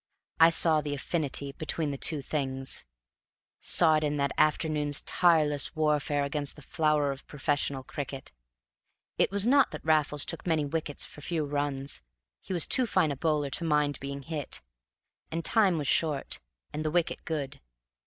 I saw the "affinity between the two things," saw it in that afternoon's tireless warfare against the flower of professional cricket. It was not that Raffles took many wickets for few runs; he was too fine a bowler to mind being hit; and time was short, and the wicket good.